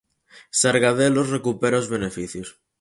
Sargadelos recupera os beneficios.